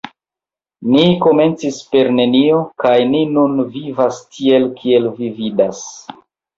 Ni komencis per nenio, kaj ni nun vivas tiel, kiel vi vidas.